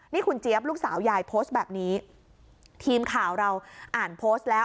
นี่คุณเจี๊ยบลูกสาวยายโพสต์แบบนี้ทีมข่าวเราอ่านโพสต์แล้ว